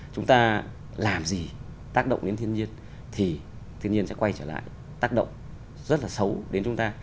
chúng ta làm gì tác động đến thiên nhiên thì thiên nhiên sẽ quay trở lại tác động rất là xấu đến chúng ta